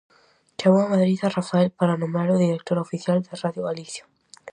Chamou a Madrid a Rafael para nomealo director oficial de Radio Galicia.